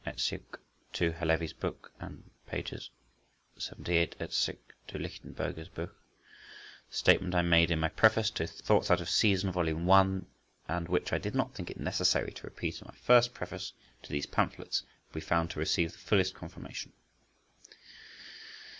_ in Halévy's book, and pp. 78 et seq. in Lichtenberger's book), the statement I made in my preface to "Thoughts out of Season," vol. i., and which I did not think it necessary to repeat in my first preface to these pamphlets, will be found to receive the fullest confirmation.